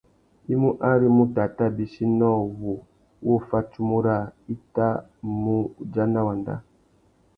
I mú ari mutu a tà bîchi nôō wu wô fá tsumu râā i tà mù udjana wanda.